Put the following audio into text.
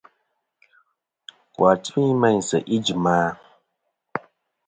Wà timi meyn sèʼ ijìm a?